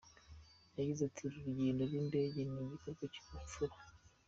Yagize ati “Uru rugendo rw’indege ni igikorwa cy’ubupfura.